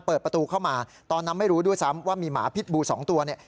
เปิดประตูเข้ามาตอนนั้นไม่รู้ด้วยซ้ำว่ามีหมาพิษบูสองตัวเนี่ย